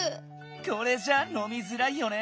これじゃあのみづらいよね。